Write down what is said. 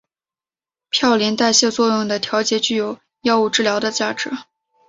嘌呤代谢作用的调节具有药物治疗的价值。